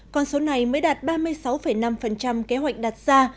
con số này mới đạt ba mươi sáu năm kế hoạch đặt ra